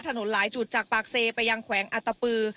หลายจุดจากปากเซไปยังแขวงอัตตปือ